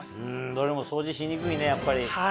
どれも掃除しにくいねやっぱり。